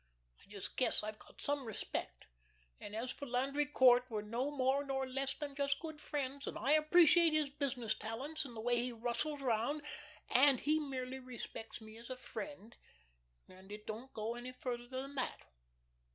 I just guess I've got some self respect; and as for Landry Court, we're no more nor less than just good friends, and I appreciate his business talents and the way he rustles 'round, and he merely respects me as a friend, and it don't go any farther than that.